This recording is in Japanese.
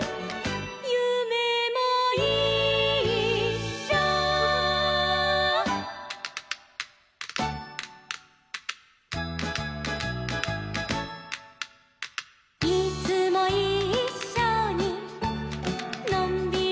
「ゆめもいっしょ」「いつもいっしょにのんびりいこうよ」